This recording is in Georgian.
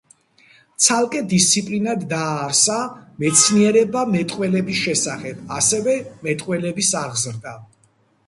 ცალკე დისციპლინად დააარსა „მეცნიერება მეტყველების შესახებ“, ასევე „მეტყველების აღზრდა“.